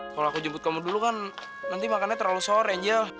kalau aku jemput kamu dulu kan nanti makannya terlalu sore